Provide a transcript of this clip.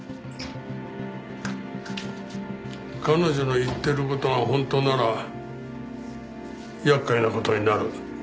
彼女の言ってる事が本当なら厄介な事になる。